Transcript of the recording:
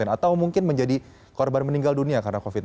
atau mungkin menjadi korban meninggal dunia karena covid sembilan belas